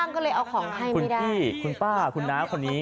คุณพี่คุณป้าคุณน้ำคนนี้